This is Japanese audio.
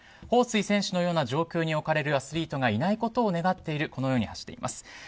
ホウ・スイ選手のような状況に置かれるアスリートがいないことを願っていると発しています。